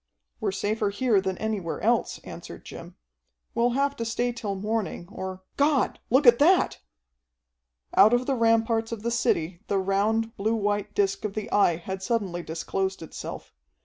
"We're safer here than anywhere else," answered Jim. "We'll have to stay till morning, or God, look at that!" Out of the ramparts of the city the round, blue white disc of the Eye had suddenly disclosed itself.